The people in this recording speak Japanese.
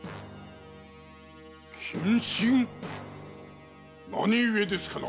謹慎⁉何ゆえですかな